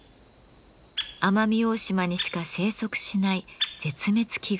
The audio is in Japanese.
奄美大島にしか生息しない絶滅危惧種です。